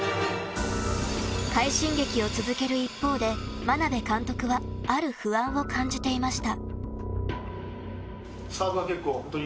快進撃を続ける一方で眞鍋監督はある不安を感じていました。